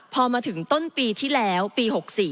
พอมาถึงต้นปีที่แล้วปี๖๔